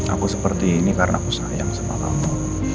aku seperti ini karena aku sayang sama kamu